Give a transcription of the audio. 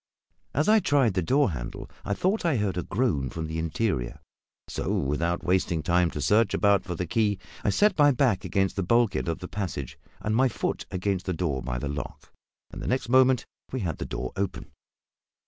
As I tried the door handle I thought I heard a groan from the interior; so, without wasting time to search about for the key, I set my back against the bulkhead of the passage and my foot against the door by the lock, and the next moment we had the door open.